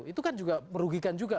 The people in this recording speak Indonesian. itu kan juga merugikan juga